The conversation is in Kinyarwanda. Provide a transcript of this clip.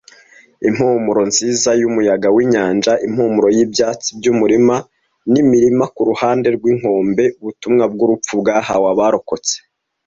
Impumuro nziza yumuyaga winyanja, impumuro yibyatsi byumurima nimirima kuruhande rwinkombe, ubutumwa bwurupfu bwahawe abarokotse,